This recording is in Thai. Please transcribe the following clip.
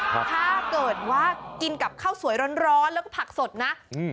ถ้าเกิดว่ากินกับข้าวสวยร้อนแล้วก็ผักสดนะอืม